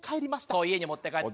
そう家に持って帰った。